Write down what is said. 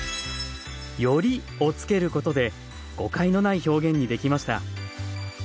「より」をつけることで誤解のない表現にできました。